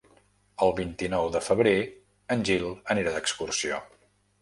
El vint-i-nou de febrer en Gil anirà d'excursió.